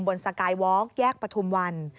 สกายวอล์กแยกปฐุมวัน